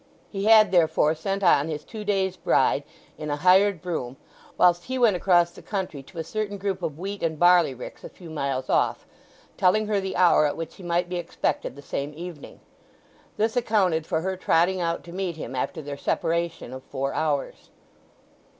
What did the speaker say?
He had, therefore, sent on his two days' bride in a hired brougham, whilst he went across the country to a certain group of wheat and barley ricks a few miles off, telling her the hour at which he might be expected the same evening. This accounted for her trotting out to meet him after their separation of four hours.